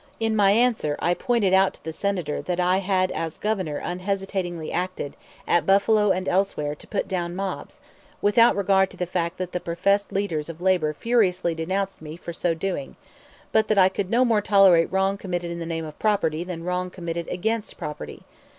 In my answer I pointed out to the Senator that I had as Governor unhesitatingly acted, at Buffalo and elsewhere, to put down mobs, without regard to the fact that the professed leaders of labor furiously denounced me for so doing; but that I could no more tolerate wrong committed in the name of property than wrong committed against property.